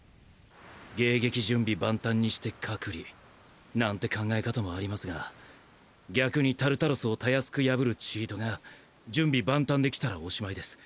迎撃準備万端にして隔離なんて考え方もありますが逆にタルタロスを容易く破るチートが準備万端で来たらおしまいです。